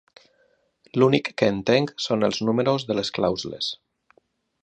L'únic que entenc són els números de les clàusules.